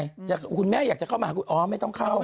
แล้วส่วนคุณงั้นอยากจะเข้ามาอ้อไม่ต้องเข้า